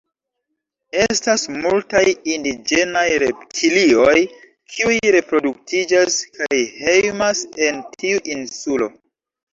Estas multaj indiĝenaj reptilioj kiuj reproduktiĝas kaj hejmas en tiu insulo.